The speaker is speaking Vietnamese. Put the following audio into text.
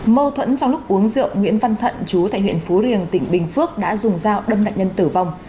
mâu thuẫn trong lúc uống rượu nguyễn văn thận chú tại huyện phú riềng tỉnh bình phước đã dùng dao đâm nạn nhân tử vong